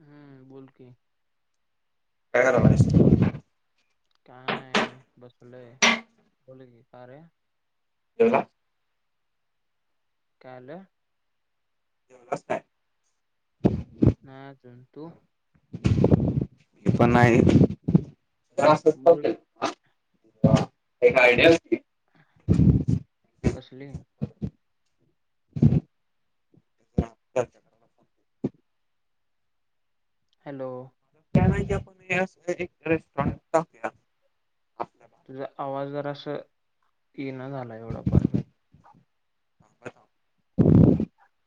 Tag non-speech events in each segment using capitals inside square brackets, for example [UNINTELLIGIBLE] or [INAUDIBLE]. हम्म बोल की. काय करायलास. काय नाही बसलोय बोल की का रे. हो ना. काय झालं? जेवलास काय. नाय अजून तू? मी पण नाही. बोल [UNINTELLIGIBLE] कसली? हॅलो. काय माहिती आपण [UNINTELLIGIBLE] आपल्या तुझा आवाज जरास ये ना झाला एवढा परफेक्ट. भागात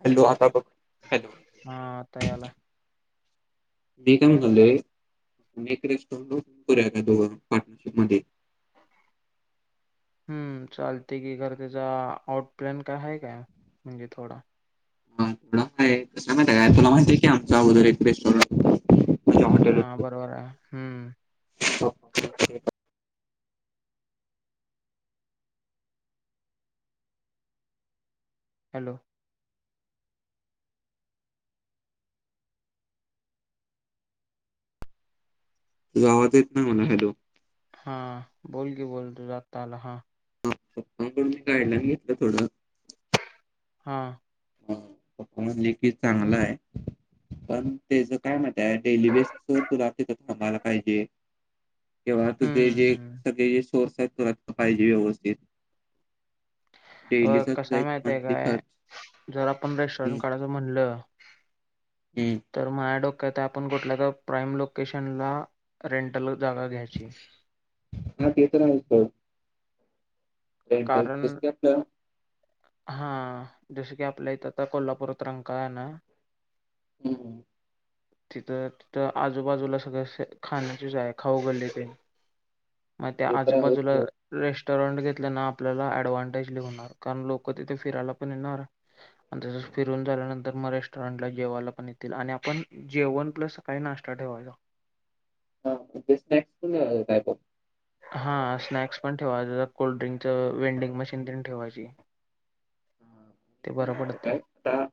हॅलो आता बघ. हॅलो हा आता यायला. मी काय [UNINTELLIGIBLE] पार्टनरशिप मध्ये हम्म चालते की घर त्याचा आउट प्लॅन काय आहे काय म्हणजे थोडा. कस आहे माहिती आहे का तुला माहिती आहे की आमंच्या अगोदर एक रेस्टॉरनेट हा बरोबर आहे हम्म. हॅलो. तुझा आवाज येत नाय मला हॅलो. हा बोल की बोल तुझा आत्ता आला हा. [UNINTELLIGIBLE] गाईडलाईन घेतलं थोडं. हा. ह पप्पा म्हणले की चांगलं आहे पण तेच काय म्ह [UNINTELLIGIBLE] डेली बेस वर तुला तिथं थांबायला पाहिजे. किंवा तुझे जे हम्म सगळे जे सोर्स आहेत तुला पाहिजे व्यवस्थित. अ डेलीचा तुझा कसा एक माहितीये मंथली काय खर्च जर आपण हम्म, रेस्टॉरंट काढायचं म्हणलं हम्म. तर माझ्या डोक्यात आपण कुठल्या तर प्राईम लोकेशनला रेंटल जागा घ्यायची. हा ते तर आहेत. रेंटल कारण जसं की आपल्या हा जस की आपल्या इथं आता कोल्हापूरात रंकाळा आहे ना हम्म. तिथं- तिथं आजूबाजूला सगळं अस खाण्याचीच आहे खाऊ गल्ली आहे ती. मग त्या ते तर आहेच आजूबाजूला सोड रेस्टॉरंट घेतल्याना आपल्याला एडवांटेज लिहुणार कारण लोक क तिथे फिरायला पण येणार. आणि तसच फिरून झाल्यानंतर मग रेस्टॉरंटला जेवायला पण येतील आणि आपण जेवण प्लस. काही नाष्टा ठेवायलो. ह स्नाक्स काय? हा स्नॅक्स पण ठेवायच कोल्ड्रिंकच वेंडिंग मशीन पण ठेवायची. हा, आणि ते काय बरं माहिती पडते. काय आता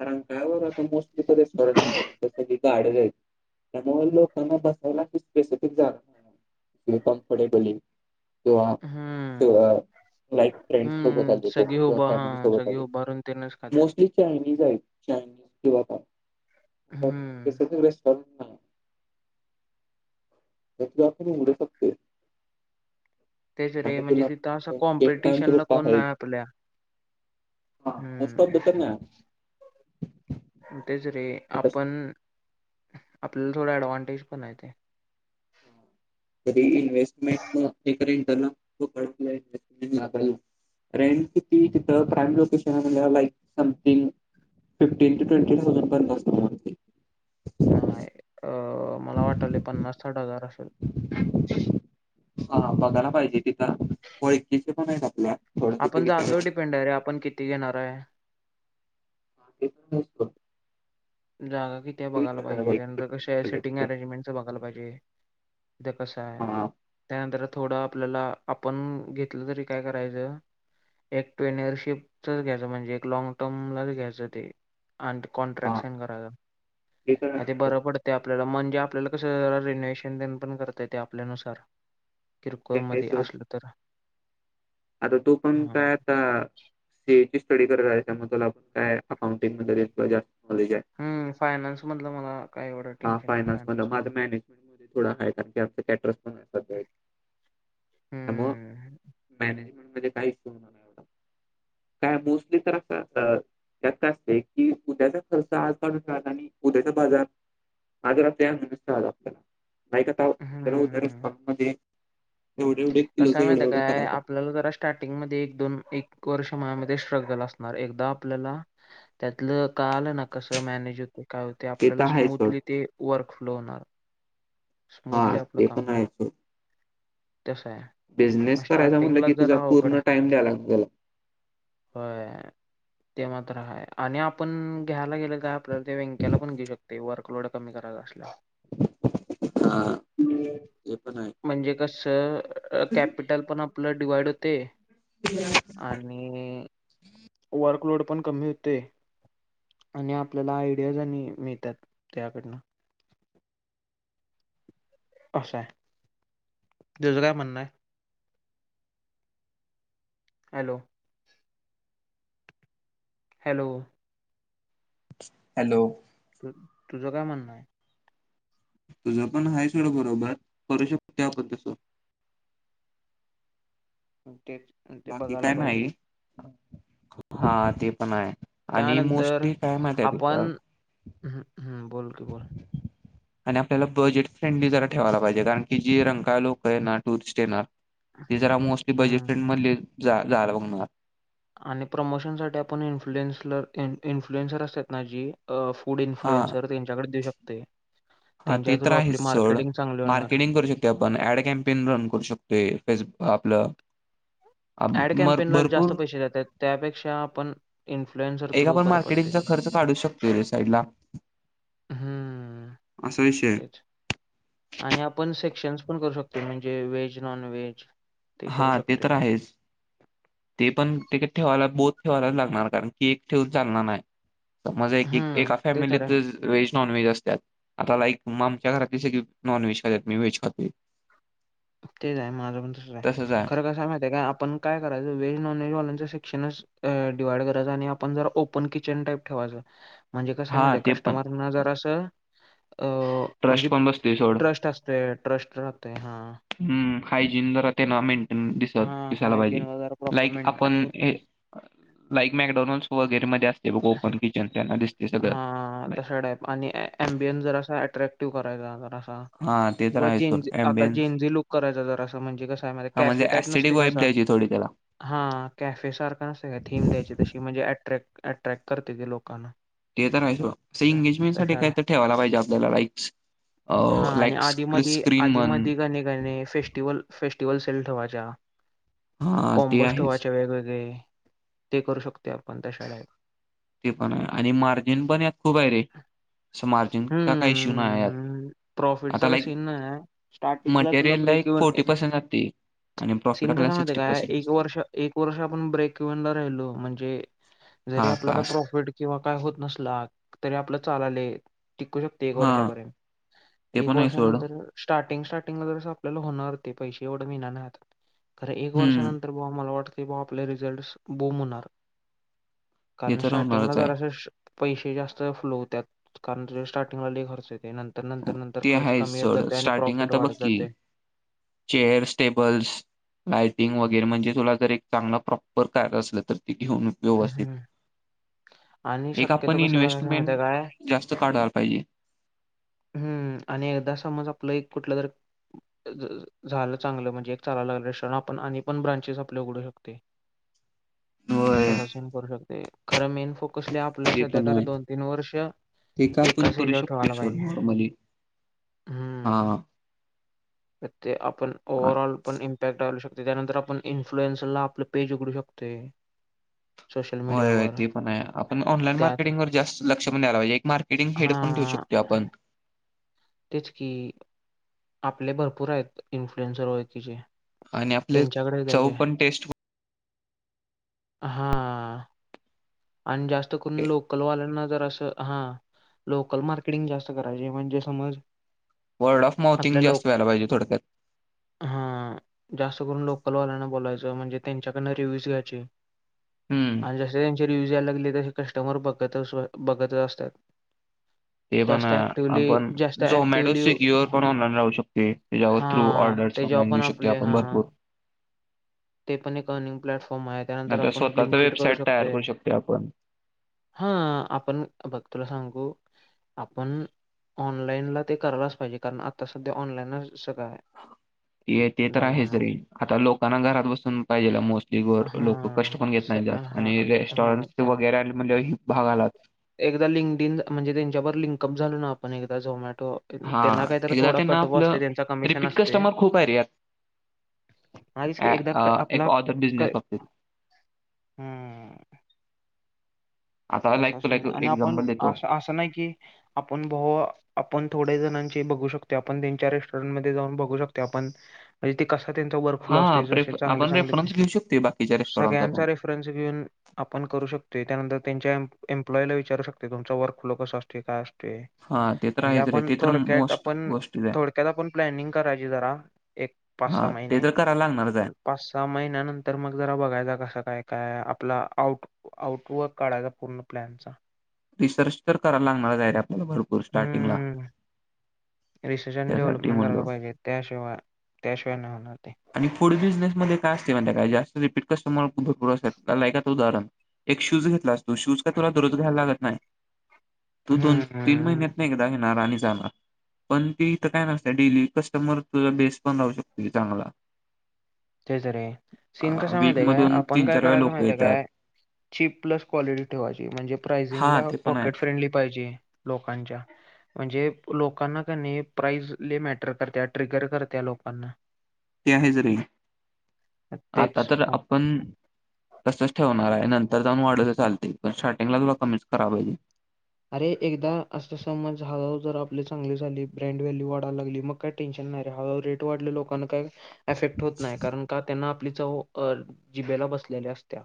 कार काावर आता मोस्टली कध सरत गाड आहेत त्यामुळे लोकांना बसायला स्पेसिफिक झालं. आणि कम्फर्टेबल किंवा हम्म. लाईक फ्रेंड सोबत हम्म. आले कोण सगळी किंवा उभा फॅमिली हां. सोबत सगळी आले उभारून तेनच खातात. मोस्टली चायनीज आहे चायनी किं का हम्म. रेस्ट त्याच्या उ शकते. तेच रे आणि म्हणजे तुला तिथं असं एक टाइमचे कॉम्पिटिशनला पप्पा कोण आहेत नाही आपल्या मोस्ट ऑफ द हम्म. तर नाही तेच रे मग तसं आपण आपल्याला थोडा डव्हांटेज पणयेत तरी इन्व्हेस्टमेंट मटर खूपडक इन्वस्टमेंट मागायला. रेंट किती तिथं प्राईम लोकेशन आहे म्हणजे लाईक समथिंग फिफ्टीन ट्वेटी थउडय. नाही अ मला वाटले पन्नास साठ हजार असेल. हा बघायला पाहिजे तिथं इ तिथे पण आहेत आपल्या थोडं तिथे आपण विचार जागेवर डिपेंड आहे रे आपण किती घेणार आहे. [UNINTELLIGIBLE] जागा किती बघायला पाहिजे ओळखीचे त्यानंतर पण कश आहेत आपल्या सिटिंग तिथं अरेंजमेंटच बघाला पाहिजे. इथ कसं आहे हा त्यानंतरच थोडं आपल्याला आपण घेतलं तरी काय करायचं. एक ट्रेनरशिपचच घ्यायचं म्हणजे एक लँग टर्म लाच घ्यायचं ते आणि कॉन्ट्रॅक्ट हा सन कराय तर आहे आ ते सोड. बर पडत. ते आपल्याला म्हणजे आपल्याला कसं रिनोवे्शन पण करताय ते आपल्यानुसार ते आहे किरकोळमध्येध्ये सोड असल तर आता तू पण हा काय आता सी ए ची स्टडी कर तआहे त्यामुळे तुला काय अकाउंटिंग मध्ये देत जास्त नॉलेज आहे. हम्म फायनान्स मधलं मला काही एवढं टेन्शन नाही फायनान्स मध ॅ [INAUDIBLE] हम्म. मॅनेजमेंटध्ये काही होणार एवढं काय मोस्टली तर असं. त्यात काय असत की उद्याचा खर्च आजकाून राहात आणि उद्याचा बाजार अर नि आतक हा. स्थळमध्ये एवढे एवढे किलोचं कसा एवढं माहित आहे का एवढं य आप करायचं. आपल्याला जरा स्टार्टिंगमध्येध्ये एक दोन एक वर्ष ममध्ये स्ट्रगल असणार एकदा आपल्याला त्यातलं का आलं ना कसं मॅनेज होते काय होते ते तर आपल्याला आहे सोड स्मूदली ते वर्क फ्लो होणार. हा स्मूथली ते पण आहे सो तस हाय. बिझनेस करायचा म्हटलं की तुझा पूर्ण टाइम द्यायला लागतोय. हो. ते मात्र हय आणि आपण घ्यायला गेलं काय आपल्याला ते व्यंक्याला पण घेऊ शकतो. ते वर्कलोड कमी करायला असल्या. हा. ते पण आहे. म्हणजे कसं कॅपिटल पण आपलं डिवाइड होतय. [INAUDIBLE] आणि वर्कलोड पण कमी होतय. आणि आपल्याला आयडियाज आणि मिळतात त्याकडनं असं हाय तुज काय म्हणणं हाय? हॅलो हॅलो हॅलो तू तुझ काय म्हणणं? तुझ पण हाय सोड बरोबर करू शकतोय आपण तस हा तेच ते बाकी बघायला काय पाहिजे. नाही हा ते पण आहे. आणि मोस्टली काय माहित आहे तिथं हम हम्म बोल की बोल [INAUDIBLE] आणि आपल्याला बजेट फ्रेंडली जरा ठेवायला पाहिजे. कारण की जी रंकाळ्याला लोक येणार, टुरिस्ट येणार ते जरा मोस्टली बजेट फ्रेंड हम्म. मधली जाय जायला बघणार. आणि प्रमोशन साठी आपण इन्फ्लुएनस ला इन्फ्लुएन्सर असतात ना जी अ फूड हा इन्फ्लुएन्सर त्यांच्याकडे देऊ शकतोय. हा ते तर आहेच सोड होणार मार्केटिंग करू ते आपण ऍड कॅम्पेन रन करू शकतोय फेस आपलं आम- ऍड मर कॅम्पेनला जास्त भरपूर पैसे देतात त्यापेक्षा आपण इन्फ्लुए्सर एक थ्रू आपण बर मार्केटिंगचा पडतय. खर्च काढू शकतोय रे साईड ला हम्म विषय आहे. तेच आणि आपण सेक्शन्स पण करू शकतोय म्हणजे व्हेज नॉन व्हेज करू हा ते तर शकतोय आहेच ते पण तिक ठेवायला बोत ठेवायलाच लागणार कारण की एक ठेवून चालणार नाही. माज एक हम्म एका ते तर आहे फॅमिलीच व्हेज -नॉनव्हेज असत्यात आता लाईक मग आमच्या घरातली सगळी नॉन व्हेज खात्यात मी व्हेज खातोय. तेच आहे माझं पण तसंच आहे. खरं कसं माहितीय का आपण काय करायचं व्हेज-नॉनव्हेज वाल्यांचं सेक्षणच अ डिवाइड करायचं आणि आपण जरा ओपन किचन टाईप ठेवायचं. म्हणजे कसं आहे माहित हा आहे ते पण कस्टमरना जरासं अ म्हणजे ट्रस्ट पण बसतोय सोड. ट्रस्ट असतय ट्रस्ट राहतय हा. हम्म हायजीन जरा तेना मेंटेन दिसत हा दिसायला हायजीन पाहिजे वगैरे प्रॉपर लाईक मेंट आपण आणि हे लाईक मॅकडॉनल्डस वगैरे मध्ये असते बघ ओपन किचन त्यांना दिसतय सगळं हा हा तशा टाईप आणि एमबियनस जर असा अट्रॅक्टिव्ह करायचा जरा हा. ते तर किंवा आहे सोड जेनजी आता ॲम्बियन्स जेनजी लुक करायचा जरासा म्हणजे कस आहे माहित आहे हा कॅफे म्हणजे टाईप ऍस्थेटिक नसतोय काय वाईब असा द्यायची थोडी त्याला हा कॅफे सारखा नसतोय काय थीम द्यायची तशी की म्हणजे अट्रॅक्ट अट्रॅक्ट करते ते लोकांना ते तर आहे सोड असं एंगेजमेंट साठी तशाळा काय तर ठेवायला पाहिजे आपल्याला लाईकस हा. आणि आधी म. आधी म. म्हण गणे फेस्टिवल फेस्टिवल सेल ठेवायच्या हा ते कॉम्पोज आहेच ठेवायच्या वेगवेगळे. ते. करू शकते. आपण त्या शाळेत. ते पण आहे आणि मार्जिन पण यात खूप आहे रे अस मार्जिनचा काही इश्यू नाही यात हम्म प्रॉफिटचा आता काय लाईक सीन नाही हाय स्टार्टिंगला तुला material break like even forty आहे. पर्सेंट जाते आणि प्रॉफिट सीन कसा आपल्याला हाय माहीत आहे सिक्स्टी काय पर्सेंट एक असते वर्ष एक वर्ष आपण ब्रेकनला राहिलो म्हणजे जरी हा आपला काय काश प्रॉफिट किंवा काय होत नसला तरी आपलं चालालंय टिकू शक एक हा वर्षा, पर्यंत ते एक पण आहे सोड वर्षानंतर. स्टार्टिंग स्टार्टिंगला ज आपल्याला होणार ते पैसे एवढं. महिनातर एक हम्म वर्षानंतर मला ब ते तर स होणारच आहे पैसे जास्त फ्लो होतात. कारण तु स्टार्टिंगला खर्च येतंतर तर नंतर. नंतर ते खर्च आहे कमी येत सोड जाते. आणि स्टार्टिंग प्रॉफिट आता बघ वाढत की जाते. चेअर्स. टेबल्स लायटिंग वगैरे म्हणजे तुला जर एक चांगलं. प्रॉपर काय असलं. तर ते घेऊन. व्यवस्थित. हम्म. आणि एक शक्यतो आपण कसं करायचं माहिती इन्व्हेस्टमेंट आहे काय जास्त काढायला पाहिजे. हम्म आणि एकदा समज. आपलं एक कुठलं. जर झालं चांगलं म्हणजे. एक चालायला लागलं रेॉर आपण आणि पण ब्रांचेस आपले उघडू शकते. होय तस सन करू शकते. खरं मेन फोक् कसले आपलं ते सध्या पण तरी आहे दोन तीन वर्ष ते का आपण एकाच करू हच्याव शकतोय ठेवायला सोड पाहिजे. नॉर्मली हा हम्म आपण. हा. ओवररऑल. इम्पॅक्टाू शकत त्यानंतर आपण इन्फ्लुएन्रला आपल. पेज उघडू शकते. होयय ते पण आहे. आपण ऑनलाईन त्यात मार्केटिंग वर जास्त लक्ष पण द्यायला पाहिजे. एक मार्केटिंग हेड पण ठेऊ शकतो. आपण त्यच की आपले भरपूर आहेत. इन्फ्लुएन्सर व तिचेे आणि आपले. चौ पण टेस्ट हा. आणि जास्त करून लोकल, वाल्यांना जर असं हा लोकल मार्केटिंग जास्त करायचे. म्हणजे समज. वर्ड ऑफ आपल्या माथिंग अस लोक व्हाय पाहिजे. थोड्यात. हा जास्त करून लोकलवाल्यांना बोलायचं म्हणजे त्यांच्याकडं रिव्ह्यूज घ्यायचे. हम्म ज त्यांचे रिव्यूज यायला लागले. तसे कस्टमर बघत बघत असतात. ते पण जास्त ऍक्टिव्हली आपण. जास्त झोमॅटो ऍक्टिव्हली स्विगीवर पण ऑनलाईन राहू शकते. त्याच्यावर हा थ्रू ऑर्डर्स ते जॉब घेऊ पण शकते. आपले आपण हा भरपूर ते पण एक अर्निंग प्लॅटफॉर्म आहे. त्यानंतर आपणमार्ग ब्लिंकिट करू शकते. त्या. आपण हा. आपण बघ तुला सांगू. आपण. ऑनलाईनला ते करायलाच पाहिजे. कारण आता सध्या ऑनलाईनच सग कां आहे. ते ते तर आहेच जमाना रे. आता लोकांना घरात बसून पाहिजे. मोस् त लोक कष्ट हा पण घेत स- नाही जास्त. हा आणि हा रेस्टॉरंटस त्या वगैरे म्हणज भाग आलात. एकदा लिंक इन म्हणजे त्यांच्यावर लिंकअप झालो. ना आपण एकदा झोमॅटो. हा त्यांना काहीतरी एकदा थोडा. त्यांना कटव आपलं असते. त्यांचा कमिशन रिपीट असते. कस्टमर खूप आहे रे यात मास क अ- एकदा अ, एक आपला ऑदर बिझनेस बाबतीत हम् आता लाईक तसच तुला एक नाही. आणि आपण एक्झाम्पल देतो असं. असं नाही की आपण भा आपण थोड्या जणांचे बघू शकतो. आपण त्यांच्या रेस्टॉरंट म जाऊन बघू शकतो. आपण म्हणजे ते कसा त्यांचा वर्क फ्लो हां, असते. ज प्रेफ चांगले आपण चांगले. ते रेफरन्स घेऊ शकतोय बाकीच्या रेस्टॉरंटचा पण. सगळ्यांचा रेफर े आपण करू शकतो. त्यानंतर त्यांच्या एम्पलॉईला विचारू शकते. तुमचा वर्क फ्ल कस असते. काय हां, ते तर म्हणजे. आहेच रे. आपण ते तर थोडक्यात मोस्ट आपण गोष्टीच आहे. थोडक्यात आपण प्लॅनिंग करायची जरा एक पाच हा. सहा ते महिने तर कराला लागणारचय. आणि पाच सहा महिन्यानंतर मग जरा बघायचा. कसां काय काय आपला. आउट आउटवक काळा पूर्ण. पलॅनचा रीसर्च तर करायला लागणार जाय रे आपल्याला बरोबर हम्म रिसर्च आणि त्यासाठी डेव्हलपमेंट करायला म्हणलो पाहिजे त्याशिवाय त्याशिवाय नाही होणार ते आणि फूड बिझनेस मध्ये काय असतय माहिती हाय काय जास्त रिपीट कस्टमर खूप भरपूर असत्यात लायकचं उदाहरण एक शूज घेतलास तू शूज काय तुला दररोज घ्यायला लागत नाही तू दोन तीन हम्म महिन्यात एकदा घेणार आणि जाणार पण ती इथं काय नसते डेली कस्टमर तुझा बेस पण राहू शकतोय तुझा चांगला तेच रे अ, सीन हं, कसा माहतीय काय वीकमधून हं. आपण काय वेळा करायच लोकं माहितय येतात. काय चीप प्लस क्वालिटी ठेवायची म्हणजे हां, प्रायझिंगला ते पण आहे. पॉकेट फ्रेंडली पाहिजे लोकांच्या म्हणजे लोकांना का नाही प्राईझ लई मॅटर करत्या ट्रिगर करत्या लोकांना ते हायच रे आता तेच तर मग आप पण तसच ठेवणार आहे नंतर जाऊन वाढवल तर चालतंय पण स्टार्टिंगला तुला कमीच करा पाहिजे अरे एकदा असं समज हळूहळू जर आपले चांगली झाली ब्रँड व्हॅल्यू वाढायला लागली मग काही टेन्शन नाही रे हळूहळू रेट वाढले लोकांना काही एफेक्ट होत नाही कारण का त्यांना आपली चव अ जिभेला बसलेली असत्या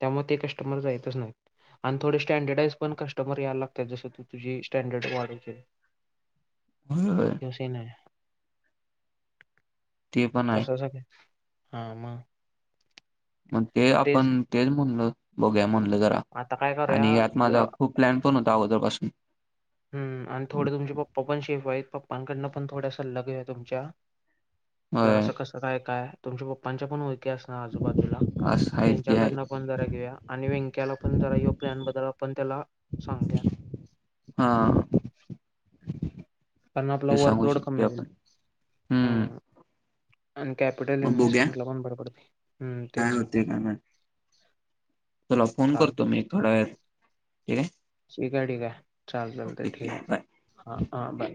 त्यामुळे ते कस्टमर जायतच नाही आणि थोडे स्टँडर्डाइज पण क कस्टमर यायला लागतात जसं तू तुझी स्टँडर्ड वाढायशील [UNINTELLIGIBLE] ह्यो सीन आहे ते पण आहे तसच हाय हा मग मग ते आपण तेच म्हणल बघूया म्हणल जरा आता काय करूया आणि यात माझा ज- खूप प्लॅन पण होता अगोदरपासून हम् आणि थोडे तुमचे पप्पा पण शेफ आहेत पप्पाांकडनं पण थोडा सल्ला घेऊया तुमच्या जर होय असं कसं काय काय हाय तुमच्या पप्पांच्या पण ओळखी असणार आजूबाजूला असं आहेत की त्यांच्याकडन आहेत पण जरा घेऊया आणि व्यंक्याला पण जरा ह्यो प्लॅन बद्दल आपण त्याला सांगुया हां कारण आपला वर्कलोड कमी होईल हम्म आणि कॅपिटल मग बघूया इन्व्हेस्टमेंट ला पण बर पडतंय हम्म काय तेच होते काय नाही तुला फोन चालतंय. करतो मी एक थोड्यावेळात ठीक आहे ठीक आहे ठीक आहे चल चालतंय ओके ठीक आहे ओके बाय हा हां बाय